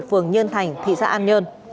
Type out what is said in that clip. phường nhân thành thị xã an nhơn